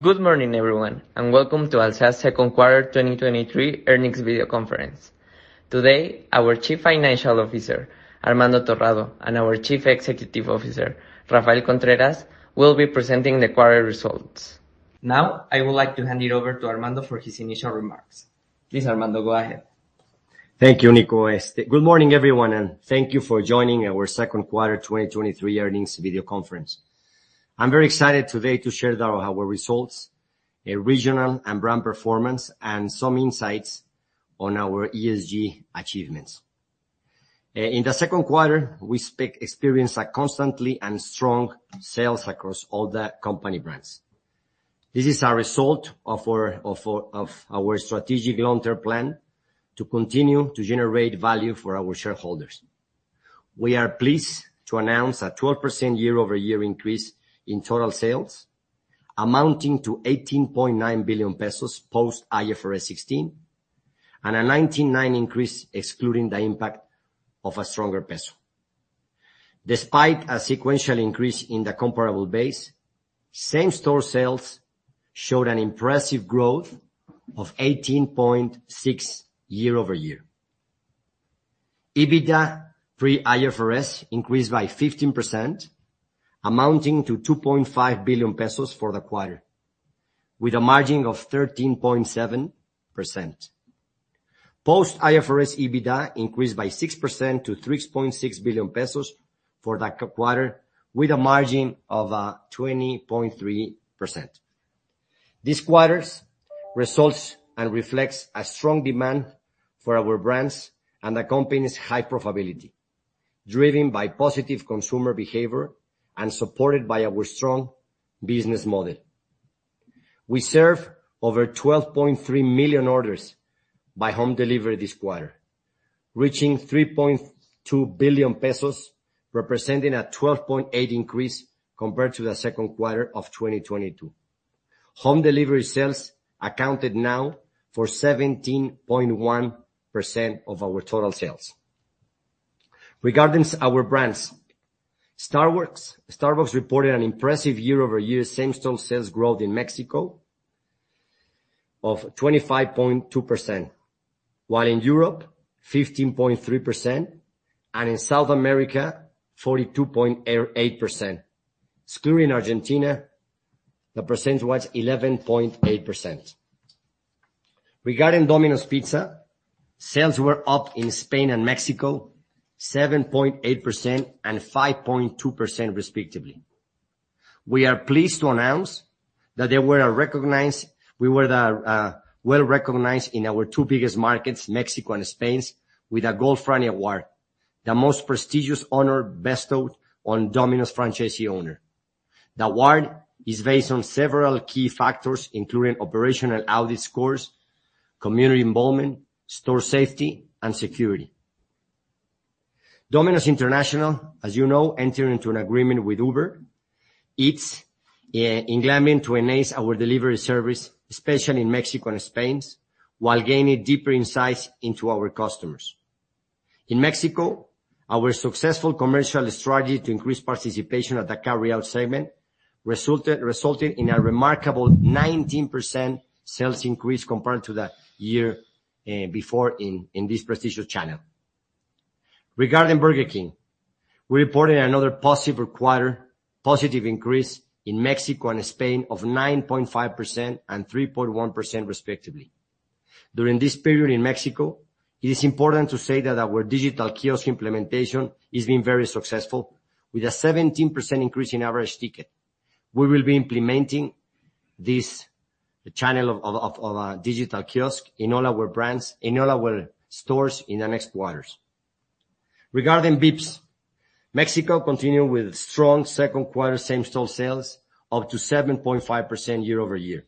Good morning, everyone, and welcome to Alsea's Second Quarter 2023 Earnings Video Conference. Today, our Chief Financial Officer, Armando Torrado, and our Chief Executive Officer, Rafael Contreras, will be presenting the quarter results. I would like to hand it over to Armando for his initial remarks. Please, Armando, go ahead. Thank you, Nico. Good morning, everyone, thank you for joining our Second Quarter 2023 Earnings Video Conference. I'm very excited today to share about our results, regional and brand performance, and some insights on our ESG achievements. In the second quarter, we experienced a constantly and strong sales across all the company brands. This is a result of our strategic long-term plan to continue to generate value for our shareholders. We are pleased to announce a 12% year-over-year increase in total sales, amounting to 18.9 billion pesos post-IFRS 16, and a 19.9% increase, excluding the impact of a stronger peso. Despite a sequential increase in the comparable base, same-store sales showed an impressive growth of 18.6% year-over-year. EBITDA pre-IFRS increased by 15%, amounting to 2.5 billion pesos for the quarter, with a margin of 13.7%. Post-IFRS EBITDA increased by 6% to 3.6 billion pesos for the quarter, with a margin of 20.3%. This quarter's results and reflects a strong demand for our brands and the company's high profitability, driven by positive consumer behavior and supported by our strong business model. We served over 12.3 million orders by home delivery this quarter, reaching 3.2 billion pesos, representing a 12.8% increase compared to the second quarter of 2022. Home delivery sales accounted now for 17.1% of our total sales. Regarding our brands, Starbucks reported an impressive year-over-year same-store sales growth in Mexico of 25.2%, while in Europe, 15.3%, and in South America, 42.8%. Excluding Argentina, the percentage was 11.8%. Regarding Domino's Pizza, sales were up in Spain and Mexico, 7.8% and 5.2%, respectively. We are pleased to announce that we were well-recognized in our two biggest markets, Mexico and Spain, with a Gold Franny Award, the most prestigious honor bestowed on Domino's franchisee owner. The award is based on several key factors, including operational audit scores, community involvement, store safety, and security. Domino's International, as you know, entered into an agreement with Uber Eats in alignment to enhance our delivery service, especially in Mexico and Spain, while gaining deeper insights into our customers. In Mexico, our successful commercial strategy to increase participation at the carryout segment resulted in a remarkable 19% sales increase compared to the year before in this prestigious channel. Regarding Burger King, we reported another positive quarter, positive increase in Mexico and Spain of 9.5% and 3.1%, respectively. During this period in Mexico, it is important to say that our digital kiosk implementation has been very successful, with a 17% increase in average ticket. We will be implementing this channel of digital kiosk in all our brands, in all our stores in the next quarters. Regarding Vips, Mexico continued with strong second quarter same-store sales, up to 7.5% year-over-year.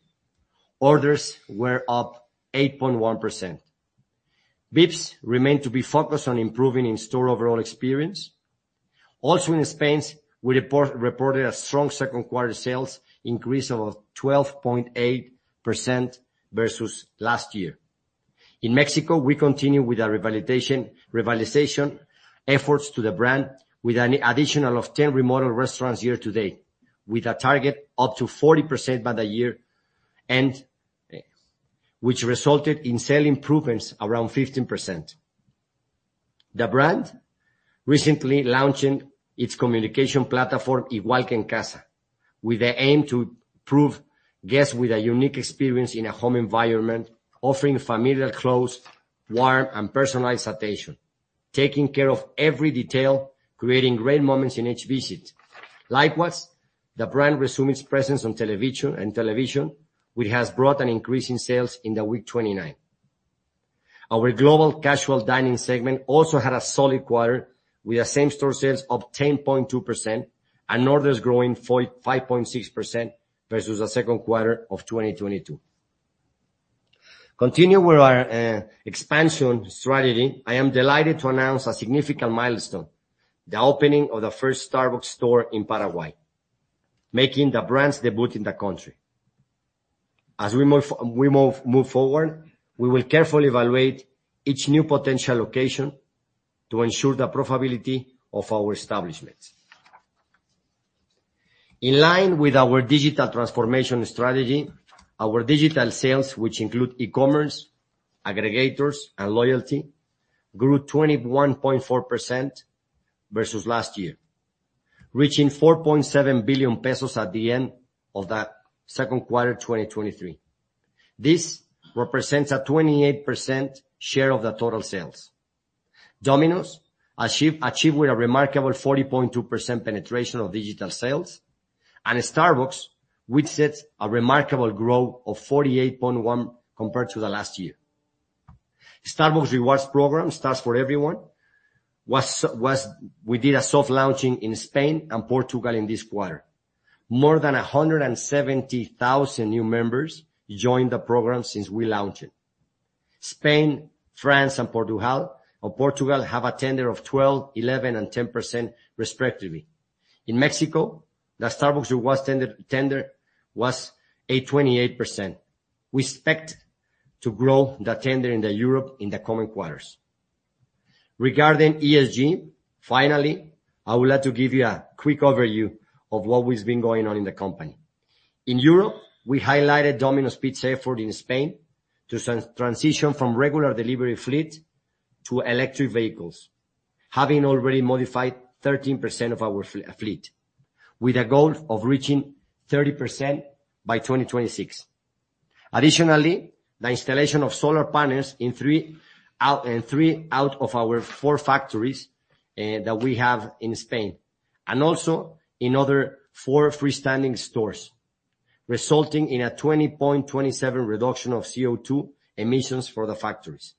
Orders were up 8.1%. Vips remain to be focused on improving in-store overall experience. In Spain, we reported a strong second quarter sales increase of 12.8% versus last year. In Mexico, we continue with our revitalization efforts to the brand with an additional of 10 remodeled restaurants year-to-date, with a target up to 40% by the year, and which resulted in sale improvements around 15%. The brand recently launched its communication platform, Igual que en casa, with the aim to prove guests with a unique experience in a home environment, offering familiar, close, warm, and personalized attention, taking care of every detail, creating great moments in each visit. Likewise, the brand resumed its presence on television, which has brought an increase in sales in the week 29. Our global casual dining segment also had a solid quarter, with the same-store sales up 10.2% and orders growing 5.6% versus the second quarter of 2022. Continuing with our expansion strategy, I am delighted to announce a significant milestone: the opening of the first Starbucks store in Paraguay, making the brand's debut in the country. As we move forward, we will carefully evaluate each new potential location to ensure the profitability of our establishments. In line with our digital transformation strategy, our digital sales, which include e-commerce, aggregators, and loyalty, grew 21.4% versus last year, reaching 4.7 billion pesos at the end of that second quarter, 2023. This represents a 28% share of the total sales. Domino's achieved with a remarkable 40.2% penetration of digital sales, Starbucks, which sets a remarkable growth of 48.1% compared to the last year. Starbucks Rewards program, Stars for Everyone, we did a soft launching in Spain and Portugal in this quarter. More than 170,000 new members joined the program since we launched it. Spain, France, and Portugal have a tender of 12%, 11%, and 10%, respectively. In Mexico, the Starbucks Rewards tender was a 28%. We expect to grow the tender in Europe in the coming quarters. Regarding ESG, finally, I would like to give you a quick overview of what has been going on in the company. In Europe, we highlighted Domino's Pizza's effort in Spain to transition from regular delivery fleet to electric vehicles, having already modified 13% of our fleet, with a goal of reaching 30% by 2026. The installation of solar panels in three out of our four factories that we have in Spain, and also in other four freestanding stores, resulting in a 20.27% reduction of CO2 emissions for the factories.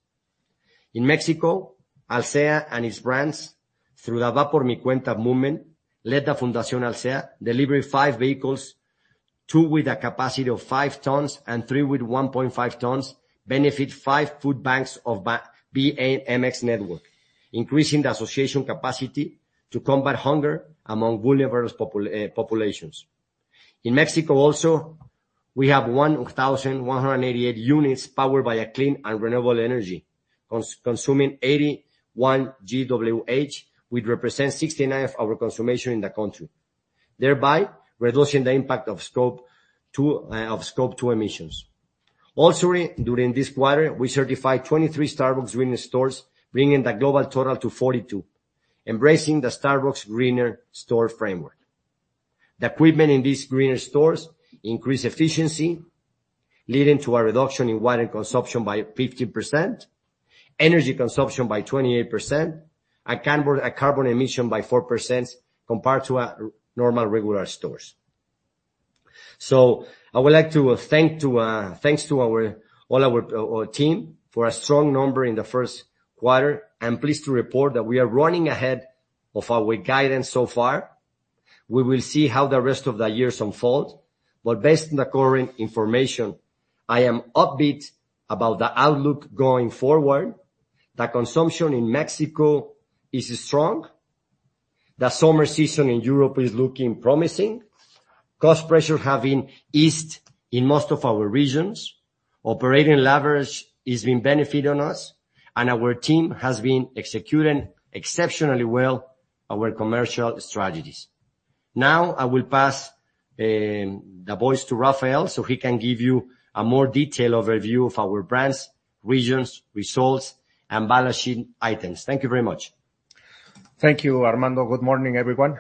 In Mexico, Alsea and its brands, through the Va por mi Cuenta movement, led the Fundación Alsea, delivered five vehicles, two with a capacity of 5 tons and three with 1.5 tons, benefit five food banks of BAMX network, increasing the association capacity to combat hunger among vulnerable populations. In Mexico, we have 1,188 units powered by a clean and renewable energy, consuming 81 GWh, which represents 69% of our consumption in the country, thereby reducing the impact of Scope 2 emissions. During this quarter, we certified 23 Starbucks Greener Stores, bringing the global total to 42, embracing the Starbucks Greener Store framework. The equipment in these greener stores increase efficiency, leading to a reduction in water consumption by 50%, energy consumption by 28%, and carbon emission by 4% compared to our normal regular stores. Thanks to all our team for a strong number in the first quarter. I'm pleased to report that we are running ahead of our guidance so far. We will see how the rest of the years unfold, but based on the current information, I am upbeat about the outlook going forward. The consumption in Mexico is strong. The summer season in Europe is looking promising. Cost pressure have been eased in most of our regions. Operating leverage is being benefited on us, and our team has been executing exceptionally well our commercial strategies. Now, I will pass the voice to Rafael, so he can give you a more detailed overview of our brands, regions, results, and balancing items. Thank you very much. Thank you, Armando. Good morning, everyone.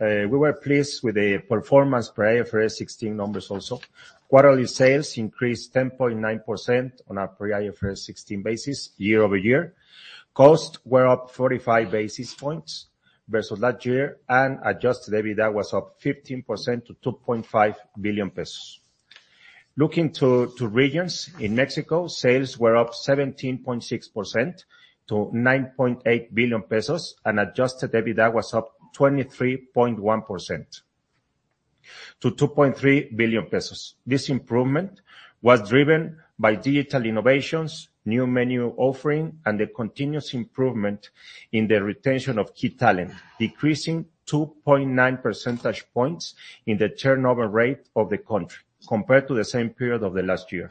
We were pleased with the performance per IFRS 16 numbers also. Quarterly sales increased 10.9% on a per IFRS 16 basis year-over-year. Costs were up 45 basis points versus last year, and adjusted EBITDA was up 15% to 2.5 billion pesos. Looking to regions, in Mexico, sales were up 17.6% to 9.8 billion pesos, and adjusted EBITDA was up 23.1% to 2.3 billion pesos. This improvement was driven by digital innovations, new menu offering, and the continuous improvement in the retention of key talent, decreasing 2.9 percentage points in the turnover rate of the country compared to the same period of the last year.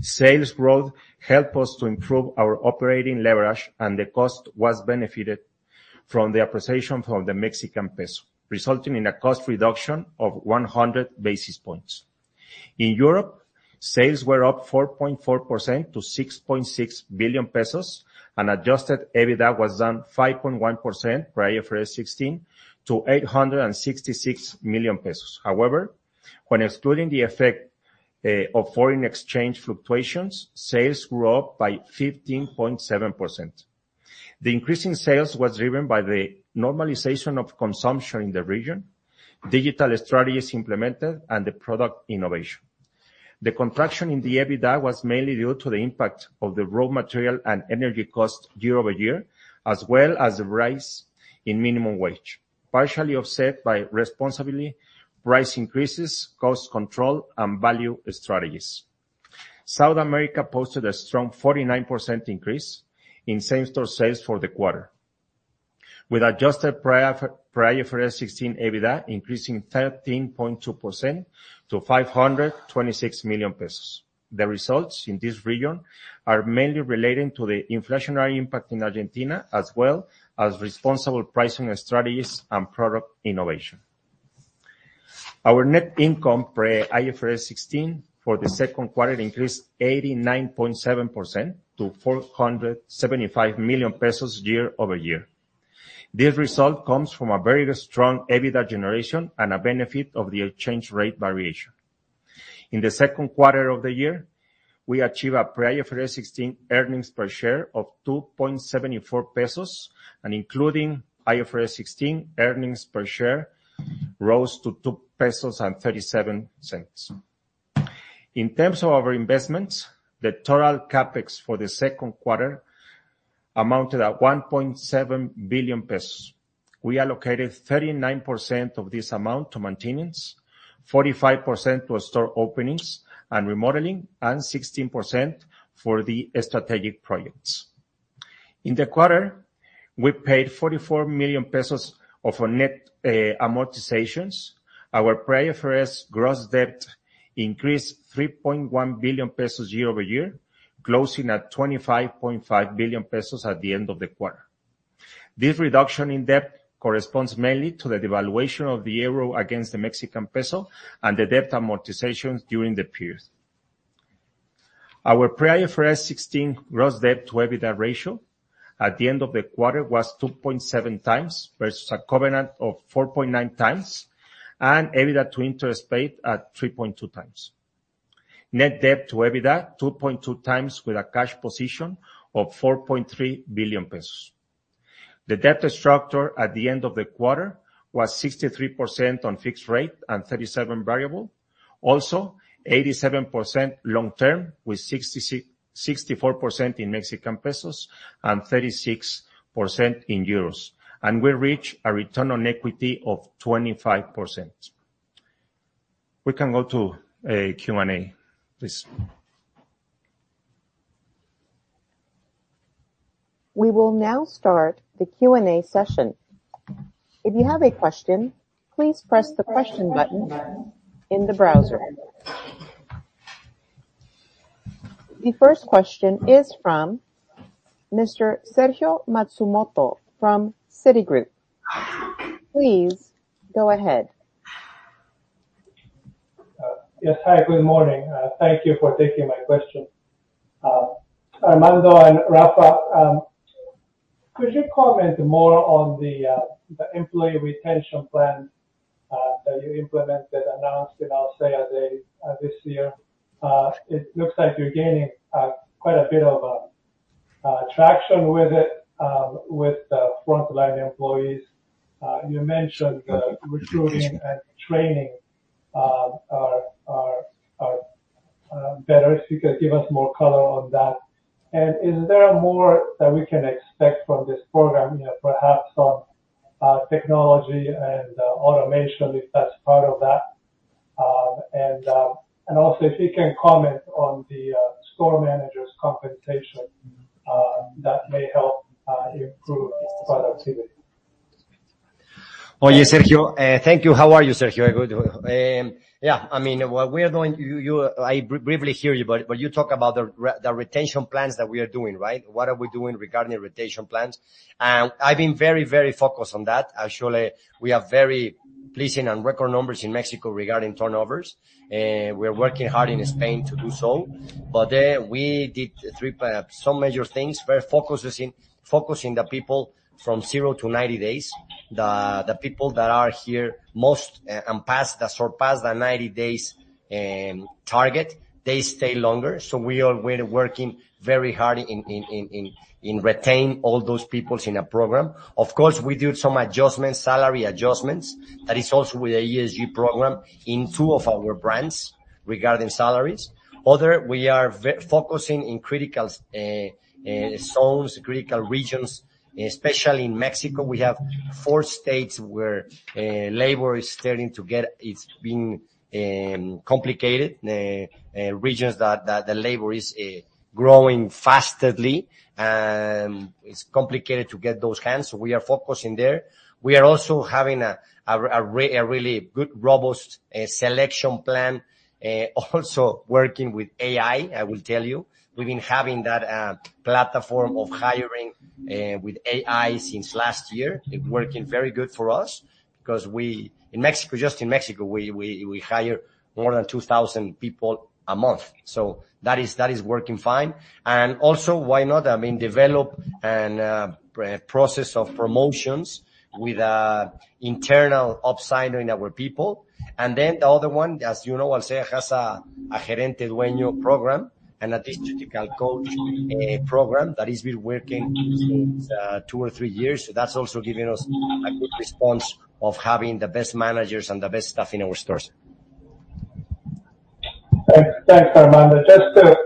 Sales growth helped us to improve our operating leverage, and the cost was benefited from the appreciation from the Mexican peso, resulting in a cost reduction of 100 basis points. In Europe, sales were up 4.4% to 6.6 billion pesos, and adjusted EBITDA was down 5.1% per IFRS 16 to 866 million pesos. However, when excluding the effect of foreign exchange fluctuations, sales grew up by 15.7%. The increase in sales was driven by the normalization of consumption in the region, digital strategies implemented, and the product innovation. The contraction in the EBITDA was mainly due to the impact of the raw material and energy cost year-over-year, as well as the rise in minimum wage, partially offset by responsibility, price increases, cost control, and value strategies. South America posted a strong 49% increase in same-store sales for the quarter, with adjusted pre-IFRS 16 EBITDA increasing 13.2% to 526 million pesos. The results in this region are mainly relating to the inflationary impact in Argentina, as well as responsible pricing strategies and product innovation. Our net income pre-IFRS 16 for the second quarter increased 89.7% to 475 million pesos year-over-year. This result comes from a very strong EBITDA generation and a benefit of the exchange rate variation. In the second quarter of the year, we achieved a pre-IFRS 16 earnings per share of 2.74 pesos, and including IFRS 16, earnings per share rose to 2.37 pesos. In terms of our investments, the total CapEx for the second quarter amounted at 1.7 billion pesos. We allocated 39% of this amount to maintenance, 45% to store openings and remodeling, and 16% for the strategic projects. In the quarter, we paid 44 million pesos of our net amortizations. Our pre-IFRS gross debt increased 3.1 billion pesos year-over-year, closing at 25.5 billion pesos at the end of the quarter. This reduction in debt corresponds mainly to the devaluation of the euro against the Mexican peso and the debt amortizations during the period. Our pre-IFRS 16 gross debt to EBITDA ratio at the end of the quarter was 2.7x, versus a covenant of 4.9x, and EBITDA to interest paid at 3.2x. Net debt to EBITDA, 2.2x with a cash position of 4.3 billion pesos. The debt structure at the end of the quarter was 63% on fixed rate and 37% variable. Also, 87% long term, with 64% in Mexican pesos and 36% in euros, and we reach a return on equity of 25%. We can go to Q&A, please. We will now start the Q&A session. If you have a question, please press the question button in the browser. The first question is from Mr. Sergio Matsumoto from Citigroup. Please go ahead. Yes. Hi, good morning. Thank you for taking my question. Armando and Rafa, could you comment more on the employee retention plan that you implemented, announced, and I'll say as of this year? It looks like you're gaining quite a bit of traction with it, with the frontline employees. You mentioned the recruiting and training are better. If you could give us more color on that. Is there more that we can expect from this program? You know, perhaps on technology and automation, if that's part of that. Also, if you can comment on the store manager's compensation that may help improve productivity. Oye, Sergio. Thank you. How are you, Sergio? Good. Yeah, I mean, what we are doing, I briefly hear you, but you talk about the retention plans that we are doing, right? What are we doing regarding the retention plans? I've been very focused on that. Actually, we are very pleasing on record numbers in Mexico regarding turnovers, we're working hard in Spain to do so. We did three—some major things. We're focusing the people from 0–90 days. The people that are here most, and past—that surpass the 90 days target, they stay longer. We're working very hard in retain all those peoples in a program. Of course, we do some adjustments, salary adjustments. That is also with the ESG program in two of our brands regarding salaries. Other, we are focusing in critical zones, critical regions, especially in Mexico. We have four states where labor is starting to get—it’s been complicated. Regions that the labor is growing fastedly, and it's complicated to get those hands, so we are focusing there. We are also having a really good, robust selection plan, also working with AI, I will tell you. We've been having that platform of hiring with AI since last year. It working very good for us because we—in Mexico, just in Mexico, we hire more than 2,000 people a month. That is working fine. Also, why not, I mean, develop a process of promotions with internal upskilling in our people. The other one, as you know, Alsea has a Gerente Dueño program and a Digital Coach program that has been working since two or three years. That's also giving us a good response of having the best managers and the best staff in our stores. Thanks. Thanks, Armando. Just to,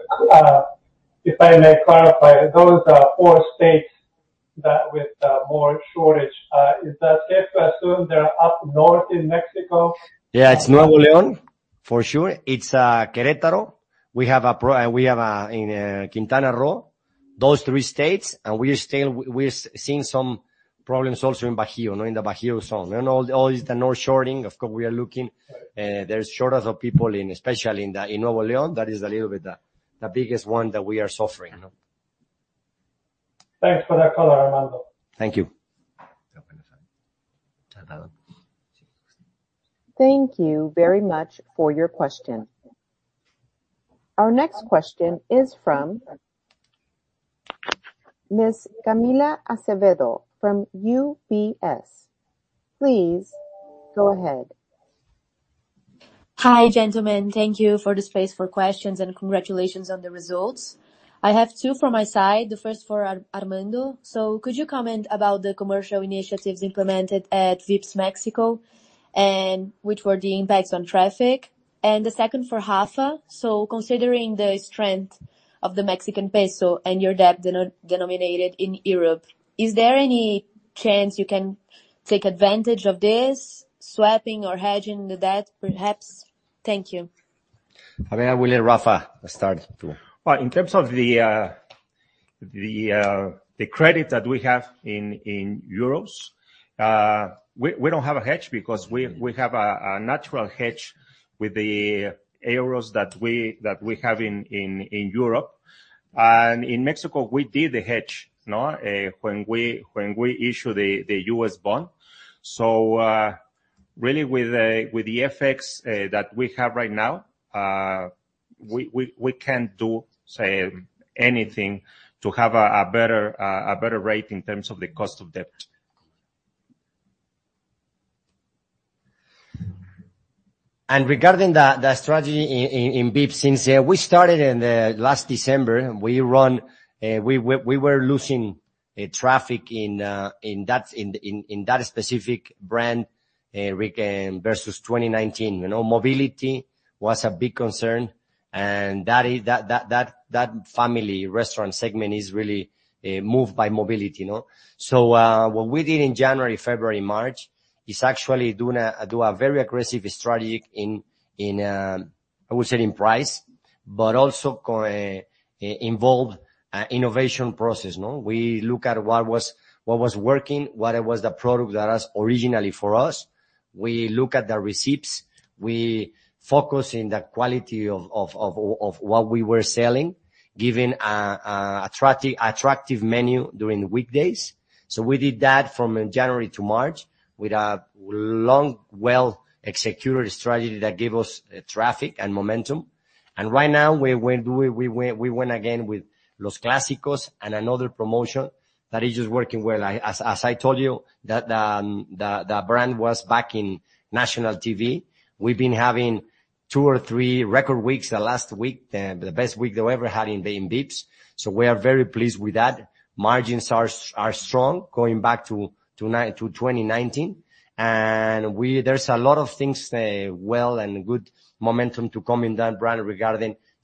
if I may clarify, those are four states that with more shortage, is that safe to assume they're up north in Mexico? It's Nuevo León. For sure, it's Querétaro. We have in Quintana Roo, those three states, we're seeing some problems also in Bajío, you know, in the Bajío zone. All is the north shorting. Of course, we are looking, there's shortage of people especially in Nuevo León. That is a little bit the biggest one that we are suffering, you know. Thanks for that call, Armando. Thank you. Thank you very much for your question. Our next question is from Ms. Camila Azevedo from UBS. Please, go ahead. Hi, gentlemen. Thank you for the space for questions. Congratulations on the results. I have two from my side. The first for Armando: Could you comment about the commercial initiatives implemented at Vips Mexico, and which were the impacts on traffic? The second for Rafa: Considering the strength of the Mexican peso and your debt denominated in Europe, is there any chance you can take advantage of this, swapping or hedging the debt, perhaps? Thank you. I mean, I will let Rafa start. Well, in terms of the credit that we have in euros, we don't have a hedge because we have a natural hedge with the euros that we have in Europe. In Mexico, we did the hedge, no, when we issued the U.S. bond. Really with the FX that we have right now, we can't do, say, anything to have a better rate in terms of the cost of debt. Regarding the strategy in Vips, since we started in the last December, we were losing traffic in that specific brand versus 2019. You know, mobility was a big concern, that family restaurant segment is really moved by mobility, you know? What we did in January, February, March, is actually doing a very aggressive strategy in, I would say in price, but also involve innovation process, no? We look at what was working, what was the product that was originally for us. We look at the receipts. We focus in the quality of what we were selling, giving an attractive menu during weekdays. We did that from January to March, with a long, well-executed strategy that gave us traffic and momentum. Right now, we went again with Los Clásicos and another promotion that is just working well. As I told you, the brand was back in national TV. We've been having two or three record weeks. The last week, the best week that we ever had in Vips, we are very pleased with that. Margins are strong, going back to 2019. There's a lot of things, well, and good momentum to come in that brand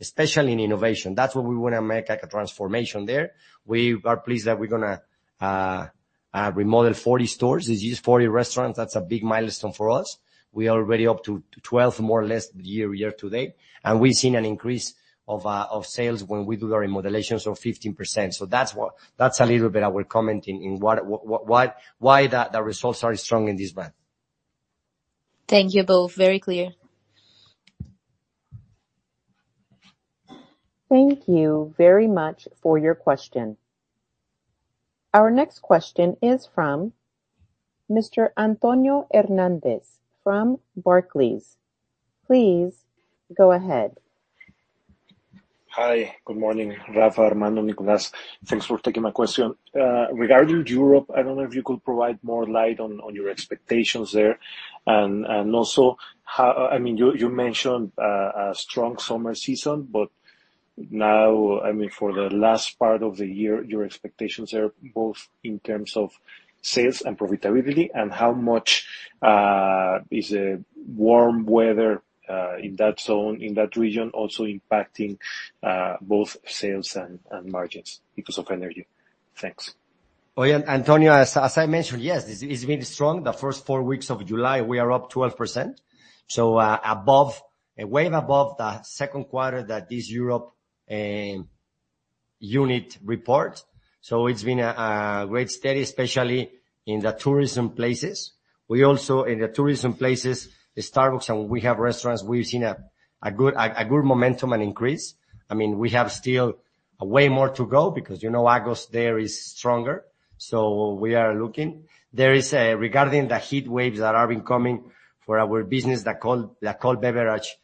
regarding—especially in innovation. That's where we want to make, like, a transformation there. We are pleased that we're gonna remodel 40 stores. This is 40 restaurants. That's a big milestone for us. We are already up to 12, more or less, year-to-date, and we've seen an increase of sales when we do the remodelations of 15%. That's a little bit our comment in what, why the results are strong in this brand. Thank you both. Very clear. Antonio Hernandez from BarclaysThank you very much for your question. Our next question is from Mr. Antonio Hernández from Barclays. Please, go ahead. Hi, good morning, Rafa, Armando, Nicolás. Thanks for taking my question. Regarding Europe, I don't know if you could provide more light on your expectations there, and also how you mentioned a strong summer season, but now, for the last part of the year, your expectations are both in terms of sales and profitability, and how much is the warm weather in that zone, in that region, also impacting both sales and margins because of energy? Thanks. Oh, yeah, Antonio, as I mentioned, yes, this has been strong. The first 4 weeks of July, we are up 12%, way above the second quarter that this Europe unit report. It's been a great study, especially in the tourism places. We also, in the tourism places, Starbucks, and we have restaurants, we've seen a good momentum and increase. I mean, we have still a way more to go because, you know, August there is stronger, we are looking. Regarding the heat waves that have been coming for our business, the cold beverage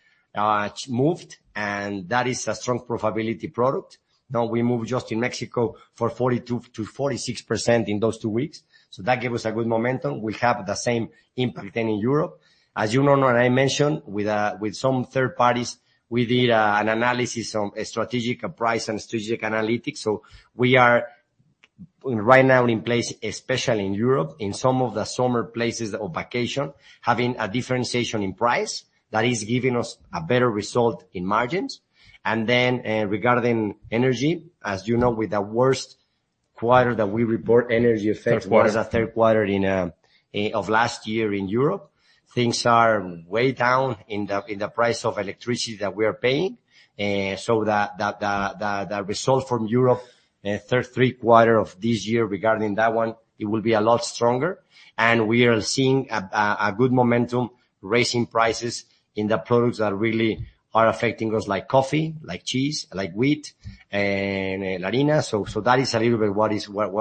moved, and that is a strong profitability product. Now, we moved just in Mexico for 42%-46% in those two weeks, that gave us a good momentum. We have the same impact then in Europe. As you know, and I mentioned, with some third parties, we did an analysis on a strategic price and strategic analytics. We are right now in place, especially in Europe, in some of the summer places of vacation, having a differentiation in price that is giving us a better result in margins. Regarding energy, as you know, with the worst quarter that we report energy effects the third quarter of last year in Europe, things are way down in the price of electricity that we are paying. The result from Europe, third three quarter of this year regarding that one, it will be a lot stronger. We are seeing a good momentum, raising prices in the products that really are affecting us, like coffee, like cheese, like wheat and harina. That is a little bit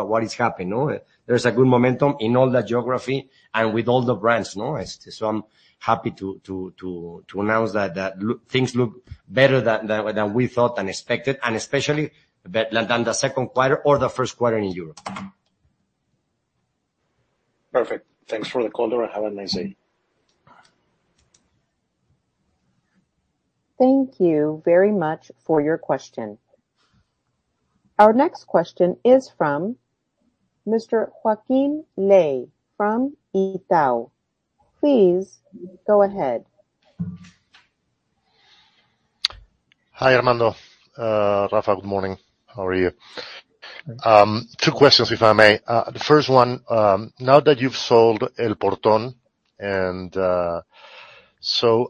what is happening, no? There's a good momentum in all the geography and with all the brands, no? I'm happy to announce that things look better than we thought and expected, and especially than the second quarter or the first quarter in Europe. Perfect. Thanks for the call, and have a nice day. Thank you very much for your question. Our next question is from Mr. Joaquín Ley from Itaú. Please go ahead. Hi, Armando. Rafa, good morning. How are you? Good. Two questions, if I may. The first one, now that you've sold El Portón,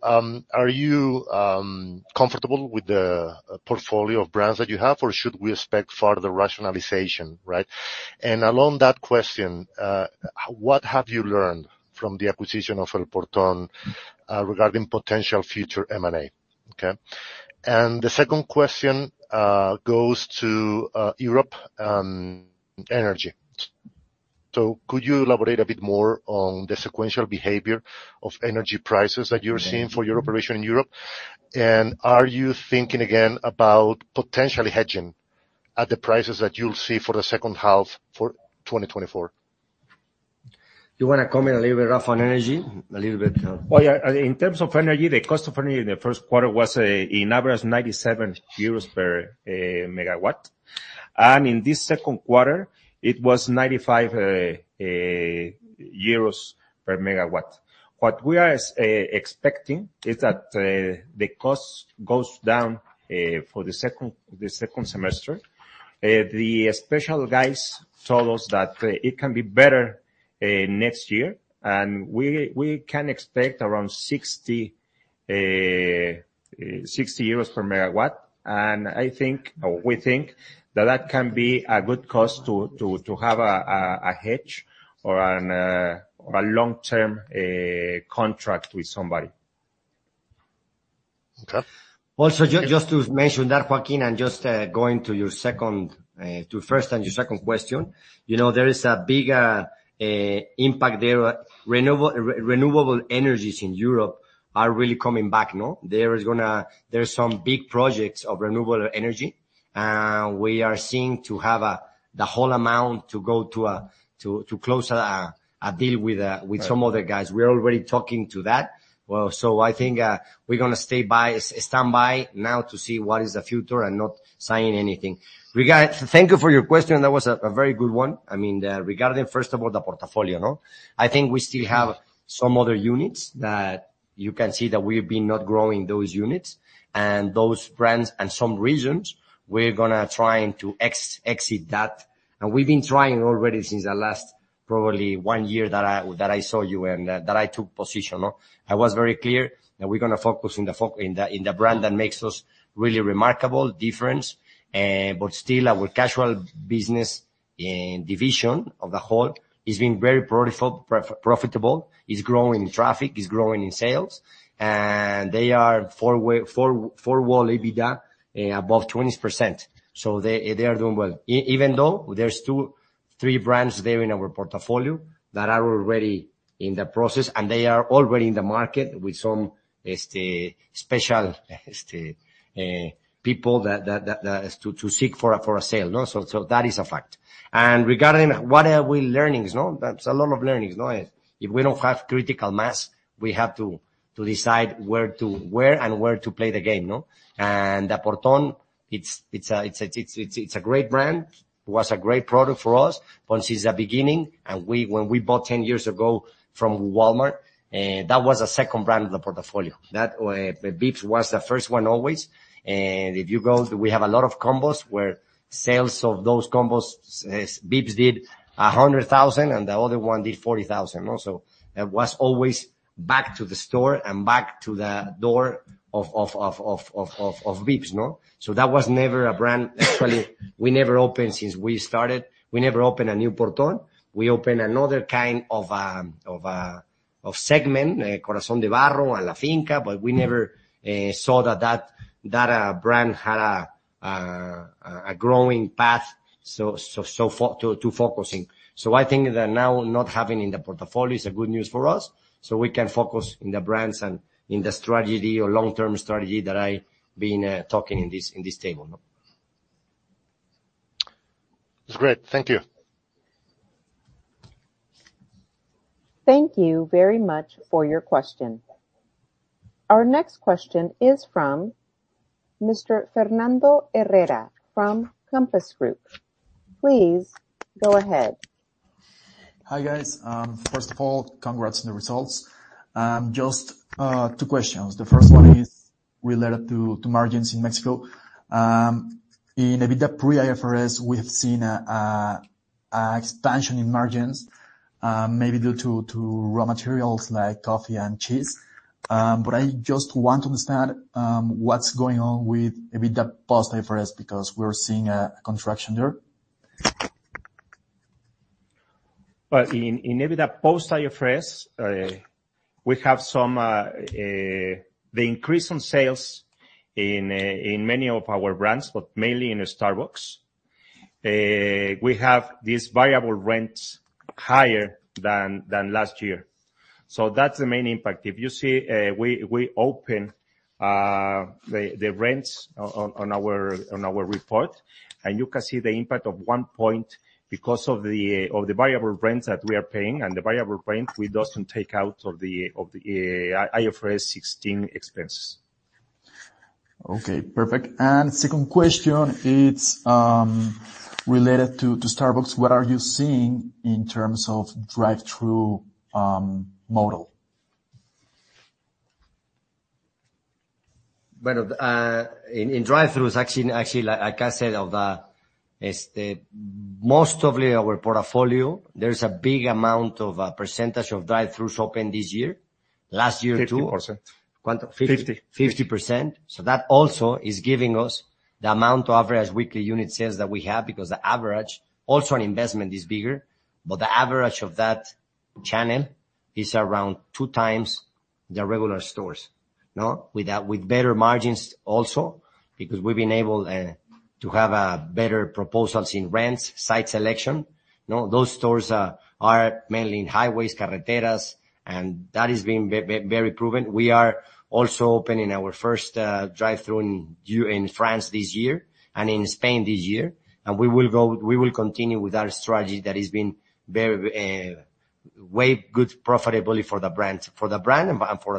are you comfortable with the portfolio of brands that you have, or should we expect further rationalization, right? Along that question, what have you learned from the acquisition of El Portón regarding potential future M&A? The second question goes to Europe, energy. Could you elaborate a bit more on the sequential behavior of energy prices that you're seeing for your operation in Europe? Are you thinking again about potentially hedging at the prices that you'll see for the second half for 2024? You wanna comment a little bit, Rafa, on energy? A little bit. Well, yeah, in terms of energy, the cost of energy in the first quarter was in average, 97 euros per MW. In this second quarter it was 95 euros per MW. What we are expecting is that the cost goes down for the second semester. The special guys told us that it can be better next year, we can expect around 60 euros per MW. I think, or we think that that can be a good cost to have a hedge or an or a long-term contract with somebody. Okay. Just to mention that, Joaquin, just going to your second to first and your second question, you know, there is a big impact there. Renewable energies in Europe are really coming back, no? There's some big projects of renewable energy, we are seeing to have the whole amount to go to to close a deal with some other guys. We're already talking to that. I think we're gonna stay standby now to see what is the future and not sign anything. Thank you for your question. That was a very good one. I mean, regarding, first of all, the portfolio, no? I think we still have some other units that you can see that we've been not growing those units and those brands and some regions, we're gonna trying to exit that. We've been trying already since the last probably one year that I saw you and that I took position, no? I was very clear that we're gonna focus in the brand that makes us really remarkable difference. Still, our casual business and division of the whole is being very profitable, is growing in traffic, is growing in sales, and they are four-wall EBITDA above 20%. They are doing well. Even though there's three brands there in our portfolio that are already in the process, and they are already in the market with some special people, that as to seek for a sale, no? That is a fact. Regarding what are we learning, no? There's a lot of learnings, no? If we don't have critical mass, we have to decide where and where to play the game, no? El Portón, it's a great brand. It was a great product for us since the beginning, when we bought 10 years ago from Walmart, that was the second brand in the portfolio. That, Vips was the first one always. If you go, we have a lot of combos where sales of those combos, Vips did 100,000 and the other one did 40,000, no? It was always back to the store and back to the door of Vips, no? That was never a brand. Actually, we never opened since we started. We never opened a new Portón. We opened another kind of a segment, Corazón de Barro and La Finca, we never saw that brand had a growing path to focusing. I think that now not having in the portfolio is a good news for us, so we can focus in the brands and in the strategy or long-term strategy that I been talking in this, in this table, no? It's great. Thank you. Thank you very much for your question. Our next question is from Mr. Fernando Herrera from Compass Group. Please go ahead. Hi, guys. First of all, congrats on the results. Just two questions. The first one is related to margins in Mexico. In EBITDA pre-IFRS, we have seen a expansion in margins, maybe due to raw materials like coffee and cheese. I just want to understand, what's going on with EBITDA post-IFRS, because we're seeing a contraction there. In EBITDA post-IFRS, we have some the increase in sales in many of our brands, but mainly in Starbucks. We have these variable rents higher than last year, that's the main impact. If you see, we open the rents on our report, and you can see the impact of one point because of the variable rents that we are paying. The variable rent, we doesn't take out of the IFRS 16 expense. Okay, perfect. Second question, it's related to Starbucks. What are you seeing in terms of drive-through model? Well, in drive-throughs, actually, like I said, of is the. Most of our portfolio, there's a big amount of percentage of drive-throughs opened this year. Last year. 50%. Quanto? 50. 50%. That also is giving us the amount of average weekly unit sales that we have, because the average, also in investment, is bigger, but the average of that channel is around 2x the regular stores. No? With better margins also, because we've been able to have better proposals in rents, site selection. No, those stores are mainly in highways, carreteras, and that is being very proven. We are also opening our first drive-through in France this year and in Spain this year, and we will continue with our strategy that has been very way good profitably for the brand and for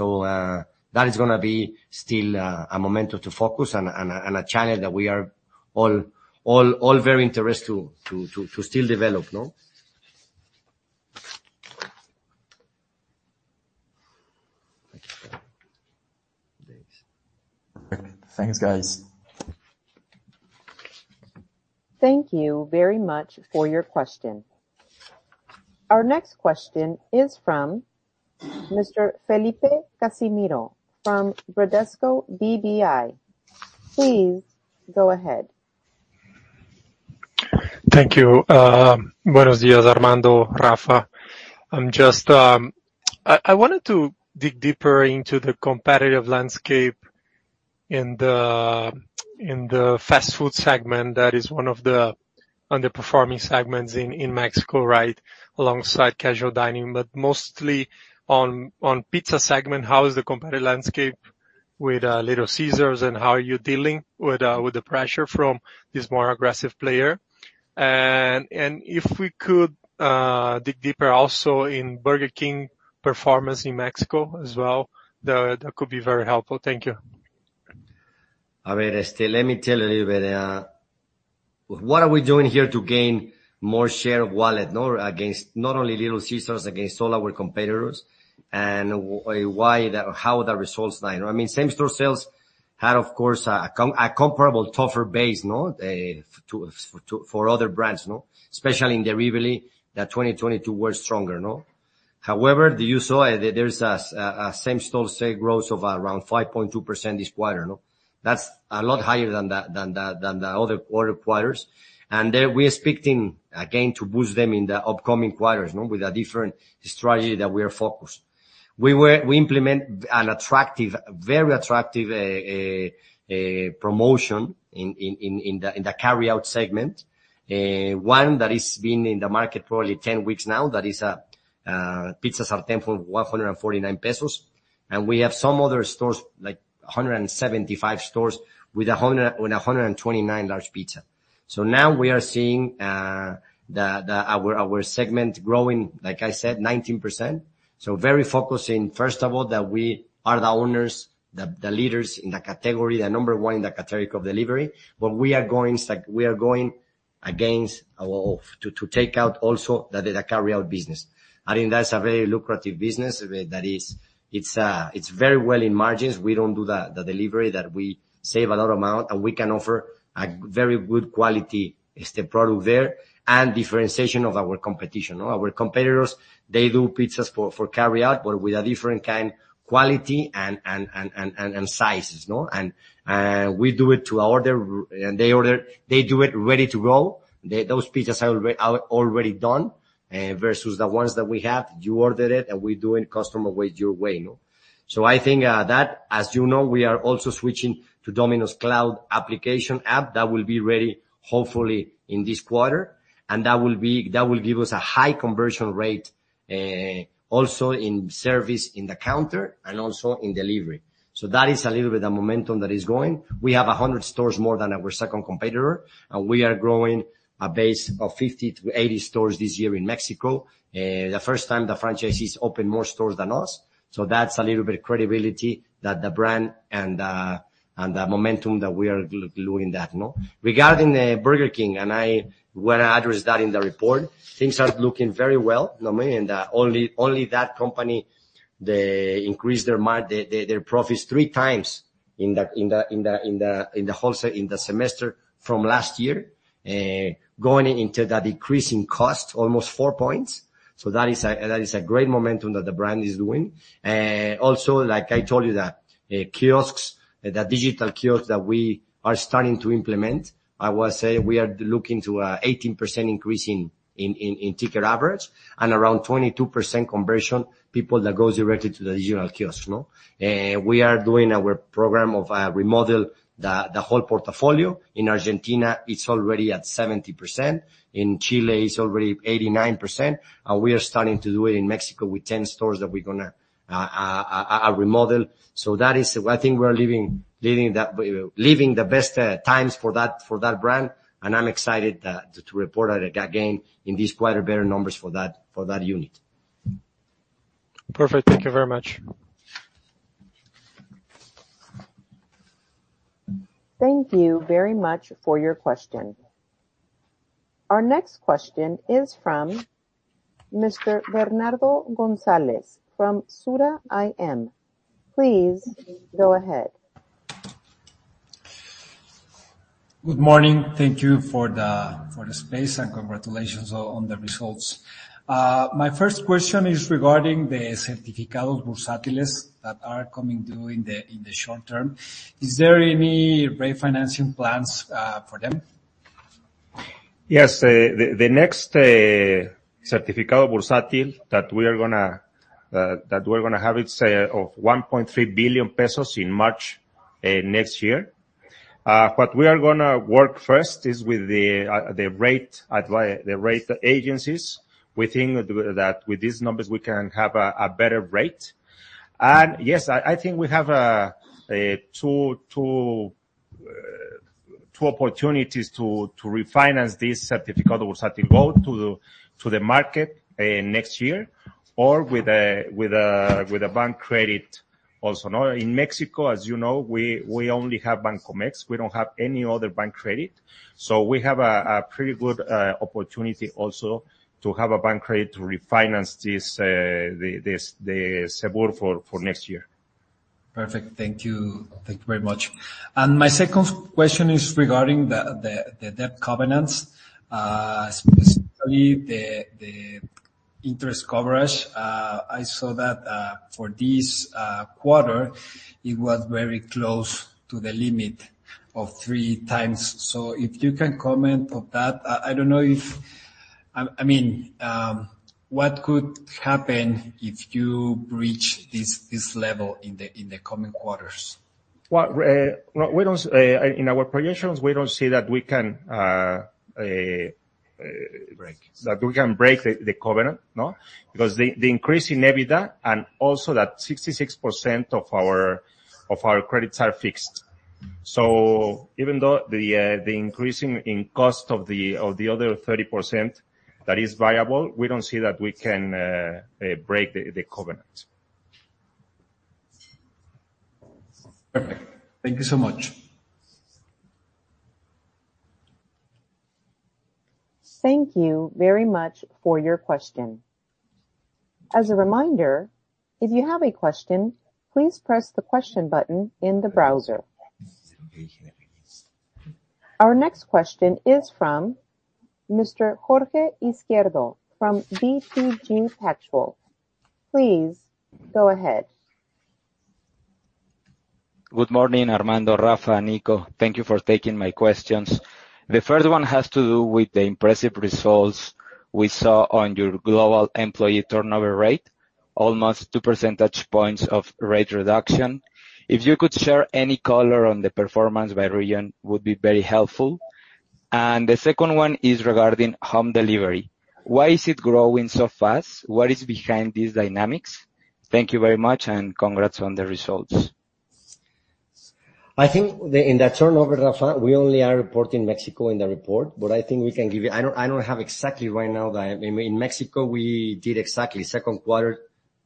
Alsea. That is gonna be still, a momentum to focus and a channel that we are all very interested to still develop, no? Thanks, guys. Thank you very much for your question. Our next question is from Mr. Felipe Cassimiro from Bradesco BBI. Please go ahead. Thank you. Buenos dias, Armando, Rafa. I wanted to dig deeper into the competitive landscape in the fast food segment. That is one of the underperforming segments in Mexico, right? Alongside casual dining, but mostly on pizza segment. How is the competitive landscape with Little Caesars, and how are you dealing with the pressure from this more aggressive player? If we could dig deeper also in Burger King performance in Mexico as well, that could be very helpful. Thank you. Let me tell a little bit what are we doing here to gain more share of wallet, no, against not only Little Caesars, against all our competitors, and how the results line. I mean, same-store sales had, of course, a comparable tougher base, no, for other brands, no? Especially in the Rivoli, that 2022 were stronger, no. Do you saw there's a same-store sales growth of around 5.2% this quarter, no? That's a lot higher than the other quarter quarters. We're expecting, again, to boost them in the upcoming quarters, no, with a different strategy that we are focused. We implement an attractive, very attractive promotion in the carry-out segment. One, that is been in the market for only 10 weeks now, that is pizzas are 10 for 149 pesos. We have some other stores, like 175 stores, with a 129 large pizza. Now we are seeing our segment growing, like I said, 19%. Very focused in, first of all, that we are the owners, the leaders in the category, the number one in the category of delivery. We are going against our—to take out also the carry-out business. I think that's a very lucrative business. That is, it's very well in margins. We don't do the delivery, that we save a lot amount. We can offer a very good quality product there, and differentiation of our competition. Our competitors, they do pizzas for carryout, but with a different kind quality and sizes. We do it to order, and they do it ready to go. Those pizzas are already done versus the ones that we have, you order it, and we do it custom the way, your way. I think. As you know, we are also switching to Domino's cloud application app. That will be ready, hopefully, in this quarter, and that will give us a high conversion rate, also in service in the counter and also in delivery. That is a little bit of momentum that is going. We have 100 stores more than our second competitor, and we are growing a base of 50–80 stores this year in Mexico. The first time the franchisees opened more stores than us, that's a little bit of credibility that the brand and the momentum that we are doing that, no? Regarding the Burger King, when I addressed that in the report, things are looking very well, normally, that company, they increased their profits 3x in the wholesale, in the semester from last year, going into the decreasing cost, almost four points. That is a great momentum that the brand is doing. Also, like I told you, that kiosks, the digital kiosks that we are starting to implement, I would say we are looking to 18% increase in ticket average and around 22% conversion, people that goes directly to the digital kiosk, no? We are doing our program of remodel the whole portafolio. In Argentina, it's already at 70%. In Chile, it's already 89%, and we are starting to do it in Mexico with 10 stores that we're gonna remodel. That is why I think we're living the best times for that, for that brand. I'm excited to report that, again, in these quarter better numbers for that, for that unit. Perfect. Thank you very much. Thank you very much for your question. Our next question is from Mr. Bernardo Gonzalez from Sura IM. Please go ahead. Good morning. Thank you for the space, and congratulations on the results. My first question is regarding the certificados bursátiles that are coming due in the in the short term. Is there any refinancing plans for them? Yes, the next certificado bursátil that we are gonna have, it's of 1.3 billion pesos in March next year. What we are gonna work first is with the rate agencies. We think that with these numbers, we can have a better rate. Yes, I think we have two opportunities to refinance this certificado bursátil, go to the market next year, or with a bank credit also, no? In Mexico, as you know, we only have Bancomext. We don't have any other bank credit, so we have a pretty good opportunity also to have a bank credit to refinance this CEBUR for next year. Perfect. Thank you. Thank you very much. My second question is regarding the debt covenants, specifically the interest coverage. I saw that for this quarter, it was very close to the limit of three times. If you can comment on that. I don't know if I mean what could happen if you reach this level in the coming quarters? Well, we don't, in our projections, we don't see that we can break the covenant, no? Because the increase in EBITDA and also that 66% of our credits are fixed. Even though the increasing in cost of the other 30% that is variable, we don't see that we can break the covenant. Perfect. Thank you so much. Thank you very much for your question. As a reminder, if you have a question, please press the Question button in the browser. Our next question is from Mr. Jorge Izquierdo, from BTG Pactual. Please go ahead. Good morning, Armando, Rafa, Nico. Thank you for taking my questions. The first one has to do with the impressive results we saw on your global employee turnover rate, almost two percentage points of rate reduction. If you could share any color on the performance by region, would be very helpful. The second one is regarding home delivery. Why is it growing so fast? What is behind these dynamics? Thank you very much, and congrats on the results. In the turnover, Rafa, we only are reporting Mexico in the report. I think we can give you. I don't have exactly right now the. I mean, in Mexico, we did exactly second quarter,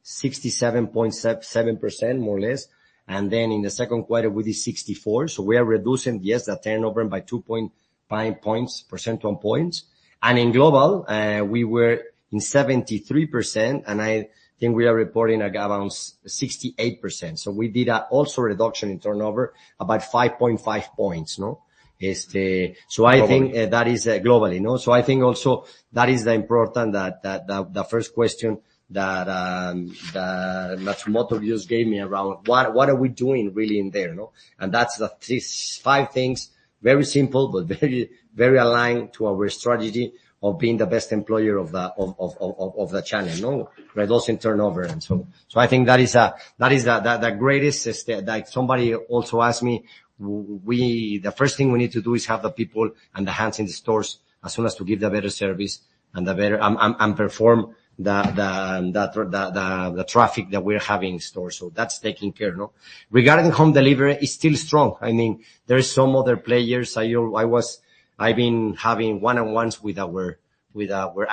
67.7%, more or less. In the second quarter, we did 64. We are reducing, yes, the turnover by 2.5 points, percentile points. In global, we were in 73%. I think we are reporting around 68%. We did a also reduction in turnover about 5.5 points, no? It's the. That is globally, no. I think also that is the important that the first question that Matsumoto just gave me around what, what are we doing really in there, no? That's the five things, very simple, but very, very aligned to our strategy of being the best employer of the channel, no? Reducing turnover, and so—I think that is the greatest. Like, somebody also asked me, the first thing we need to do is have the people and the hands in the stores as soon as to give the better service and the better... And perform the traffic that we're having in store. That's taking care, no? Regarding home delivery, it's still strong. I mean, there are some other players. I've been having one-on-ones with our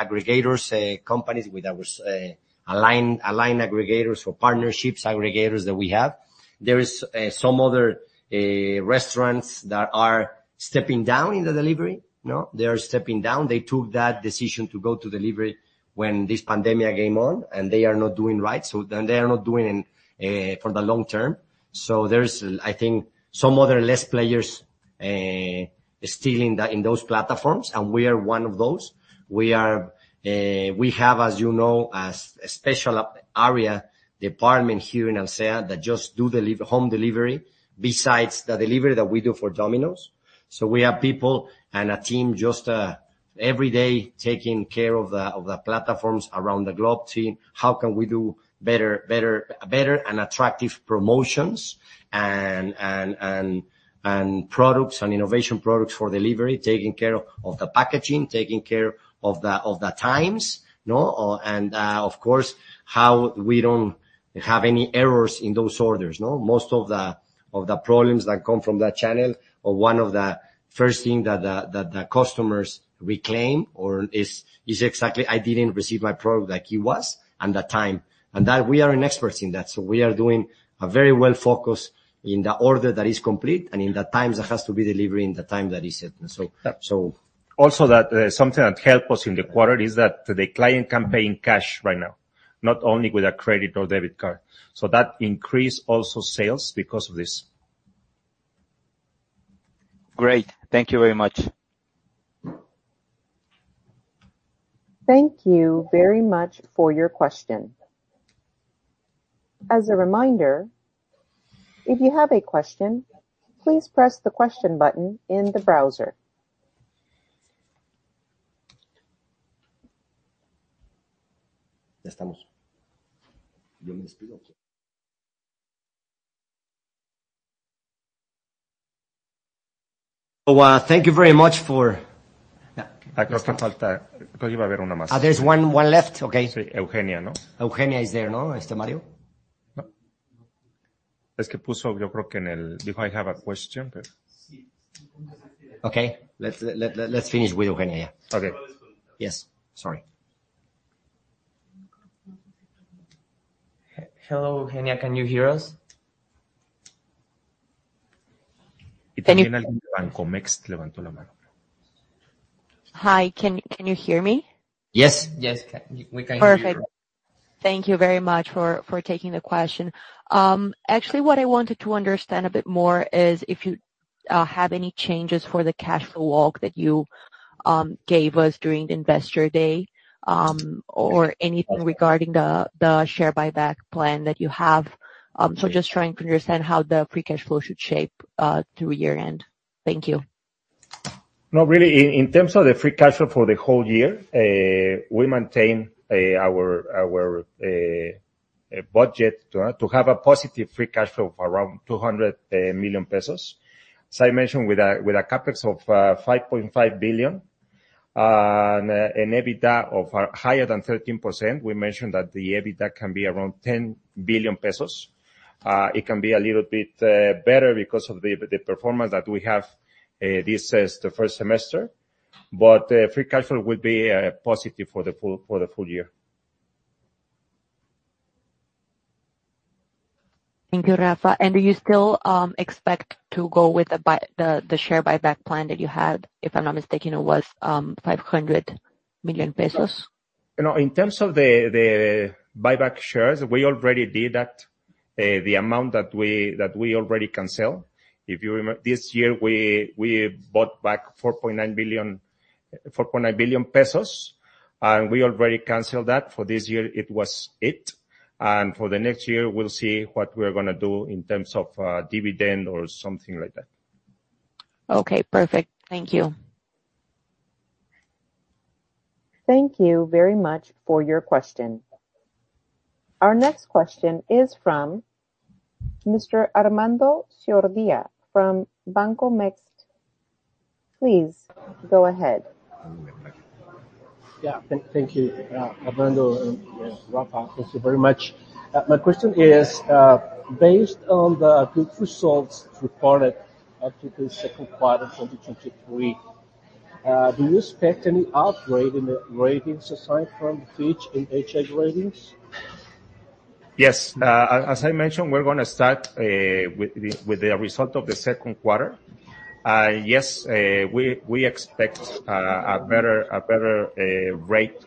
aggregators, companies with our align aggregators or partnerships aggregators that we have. There is some other restaurants that are stepping down in the delivery. No, they are stepping down. They took that decision to go to delivery when this pandemia came on, and they are not doing right, they are not doing for the long term. There's, I think, some other less players still in the, in those platforms, and we are one of those. We have, as you know, a special area department here in Alsea that just do deliver, home delivery, besides the delivery that we do for Domino's. We have people and a team just every day taking care of the platforms around the globe team. How can we do better and attractive promotions and products and innovation products for delivery, taking care of the packaging, taking care of the times, no? Of course, how we don't have any errors in those orders, no? Most of the problems that come from that channel or one of the first thing that the customers reclaim is exactly, "I didn't receive my product like it was and the time." That we are in experts in that, so we are doing a very well focus in the order that is complete and in the times that has to be delivered, in the time that is set. Something that help us in the quarter is that the client can pay in cash right now, not only with a credit or debit card. That increase also sales because of this. Great. Thank you very much. Thank you very much for your question. As a reminder, if you have a question, please press the Question button in the browser. Thank you very much. There's one left? Okay. Eugenia, no? Eugenia is there, no? No. Do I have a question? Si. Okay. Let's finish with Eugenia. Okay. Yes. Sorry. Hello, Eugenia, can you hear us? Can you... Hi, can you hear me? Yes. Yes, we can hear you. Perfect. Thank you very much for taking the question. Actually, what I wanted to understand a bit more is if you have any changes for the cash flow walk that you gave us during the Investor Day, or anything regarding the share buyback plan that you have. Just trying to understand how the free cash flow should shape through year-end. Thank you. No, really, in terms of the free cash flow for the whole year, we maintain our budget to have a positive free cash flow of around 200 million pesos. As I mentioned, with a CapEx of 5.5 billion, and an EBITDA of higher than 13%, we mentioned that the EBITDA can be around 10 billion pesos. It can be a little bit better because of the performance that we have this is the first semester, free cash flow will be positive for the full year. Thank you, Rafa. Do you still expect to go with the share buyback plan that you had? If I'm not mistaken, it was 500 million pesos. You know, in terms of the, the buyback shares, we already did that. The amount that we already cancel. If you this year, we bought back 4.9 billion pesos, and we already canceled that. For this year, it was it. For the next year, we'll see what we're gonna do in terms of dividend or something like that. Okay, perfect. Thank you. Thank you very much for your question. Our next question is from Mr. Armando Ciordia from Bancomext. Please go ahead. Thank you, Armando and Rafa, thank you very much. My question is, based on the good results reported up to the second quarter of 2023, do you expect any upgrade in the ratings aside from Fitch and HR Ratings? Yes. As I mentioned, we're gonna start with the result of the second quarter. Yes, we expect a better rate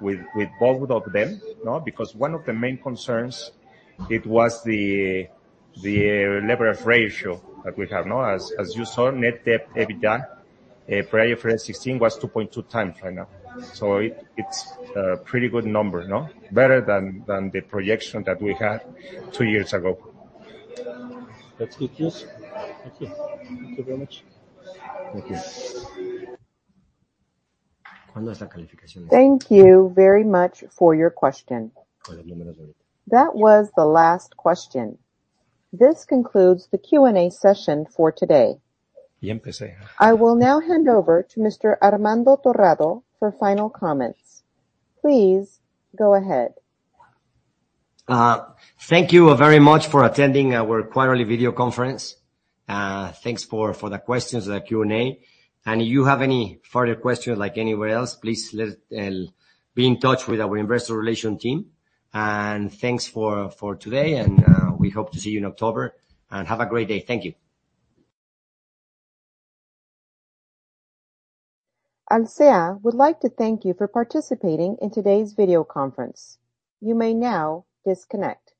with both of them, no? Because one of the main concerns, it was the leverage ratio that we have, no? As you saw, net debt, EBITDA prior for IFRS 16 was 2.2x right now. It's a pretty good number, no? Better than the projection that we had two years ago. That's good news. Thank you. Thank you very much. Thank you. Thank you very much for your question. That was the last question. This concludes the Q&A session for today. I will now hand over to Mr. Armando Torrado for final comments. Please go ahead. Thank you very much for attending our quarterly video conference. Thanks for the questions in the Q&A. If you have any further questions, like anywhere else, please let be in touch with our investor relations team. Thanks for today, and we hope to see you in October, and have a great day. Thank you. Alsea would like to thank you for participating in today's video conference. You may now disconnect.